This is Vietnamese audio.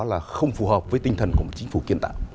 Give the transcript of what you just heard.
là không phù hợp với tinh thần của chính phủ kiến tạo